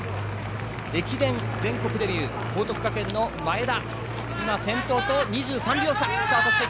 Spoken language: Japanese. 駅伝、全国デビュー報徳学園の前田が先頭と２３秒差でスタート。